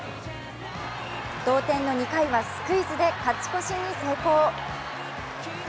同点の２回はスクイズで勝ち越しに成功。